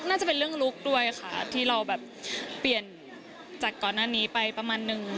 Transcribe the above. น่าจะเป็นเรื่องลุคด้วยค่ะที่เราแบบเปลี่ยนจากก่อนหน้านี้ไปประมาณนึง